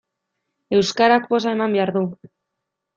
Euskarak poza eman behar du.